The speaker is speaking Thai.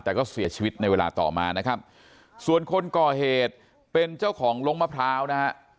แต่ก็เสียชีวิตในเวลาต่อมานะครับส่วนคนก่อเหตุเป็นเจ้าของลงมะพร้าวนะฮะ